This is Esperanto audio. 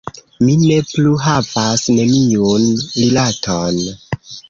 Mi ne plu havas neniun rilaton.